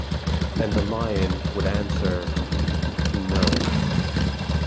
And the Lion would answer, "No".